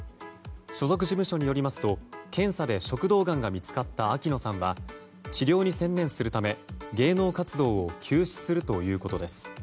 所属事務所によりますと検査で食道がんが見つかった秋野さんは治療に専念するため芸能活動を休止するということです。